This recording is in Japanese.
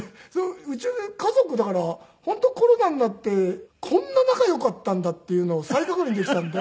うち家族だから本当コロナになってこんな仲良かったんだっていうのを再確認できたんで。